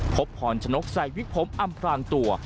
พรชนกใส่วิกผมอำพลางตัว